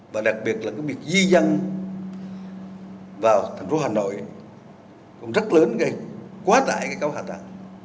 và đặc biệt là cái việc di dân vào thành phố hà nội cũng rất lớn gây quá tải cái cấu hạ tầng